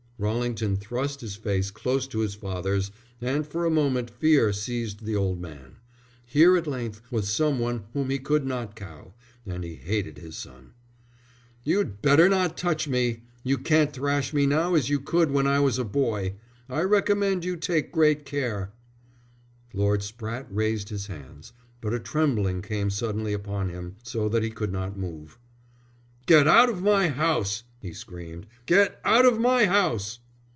Rallington thrust his face close to his father's, and for a moment fear seized the old man. Here at length was some one whom he could not cow, and he hated his son. "You'd better not touch me. You can't thrash me now as you could when I was a boy. I recommend you to take great care." Lord Spratte raised his hands, but a trembling came suddenly upon him, so that he could not move. "Get out of my house," he screamed. "Get out of my house."